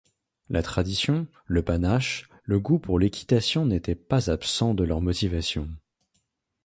La tradition, le panache, le goût pour l'équitation n'étaient pas absents de leurs motivations.